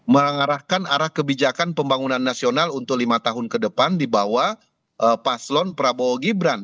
mengarahkan arah kebijakan pembangunan nasional untuk lima tahun ke depan di bawah paslon prabowo gibran